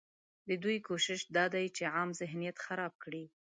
ددوی کوشش دا دی چې عام ذهنیت خراب کړي